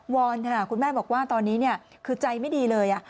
อนค่ะคุณแม่บอกว่าตอนนี้คือใจไม่ดีเลย